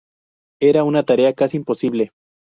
Era una tarea casi imposible.